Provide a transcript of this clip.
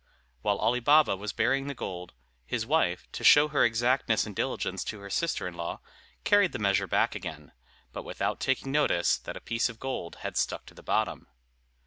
While Ali Baba was burying the gold, his wife, to show her exactness and diligence to her sister in law, carried the measure back again, but without taking notice that a piece of gold had stuck to the bottom.